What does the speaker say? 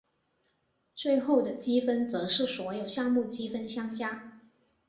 最后的积分则是所有项目积分相加。